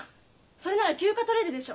それなら休暇取れるでしょ？